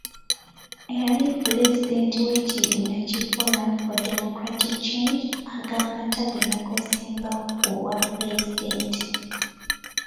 Eyali pulezidenti w’ekibiina ki Forum for Democratic Change, agamba tagenda kwesimbawo ku bwa Pulezidenti.